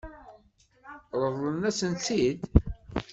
Ṛeḍlen-asent-t-id?